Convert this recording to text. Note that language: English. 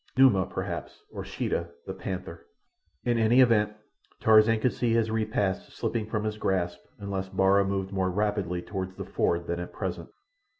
Numa, perhaps, or Sheeta, the panther. In any event, Tarzan could see his repast slipping from his grasp unless Bara moved more rapidly toward the ford than at present.